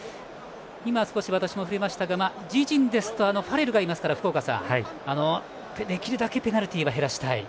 今、少し私も触れましたが自陣ですとファレルがいますからできるだけペナルティーは減らしたい。